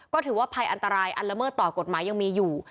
ก็ถือว่าภัยอันตรายอันละเมิดต่อกฎหมายยังมีอยู่